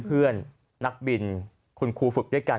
เพื่อนนักบินคุณครูฝึกด้วยกัน